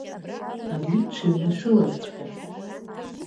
Ари дшыҩнашылазҵәҟьа…